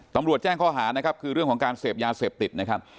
ตำรวจแจ้งข้อหานะครับคือเรื่องของการเสพยาเสพติดนะครับ